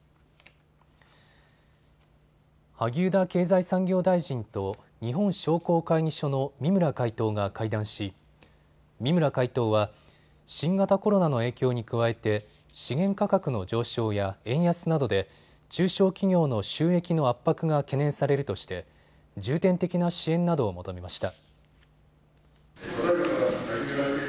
萩生田経済産業大臣と日本商工会議所の三村会頭が会談し三村会頭は新型コロナの影響に加えて資源価格の上昇や円安などで中小企業の収益の圧迫が懸念されるとして重点的な支援などを求めました。